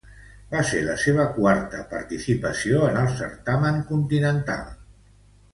Va ser la seua quarta participació en el certamen continental.